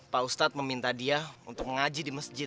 pak ustadz meminta dia untuk ngaji di masjid